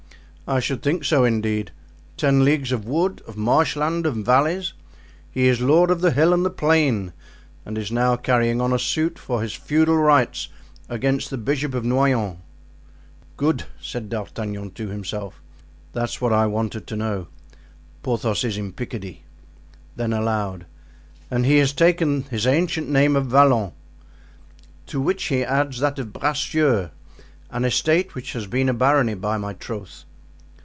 "I should think so, indeed. Ten leagues of wood, of marsh land and valleys; he is lord of the hill and the plain and is now carrying on a suit for his feudal rights against the Bishop of Noyon!" "Good," said D'Artagnan to himself. "That's what I wanted to know. Porthos is in Picardy." Then aloud: "And he has taken his ancient name of Vallon?" "To which he adds that of Bracieux, an estate which has been a barony, by my troth."